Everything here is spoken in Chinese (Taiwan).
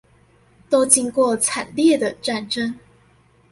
都經過慘烈的戰爭